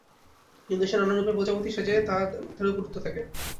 কিন্তু সে নানারূপের প্রজাপতি সেজে তার মাথার উপর উড়তে থাকে।